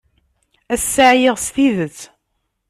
Ass-a, ɛyiɣ s tidet.